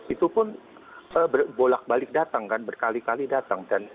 itu pun bolak balik datang berkali kali datang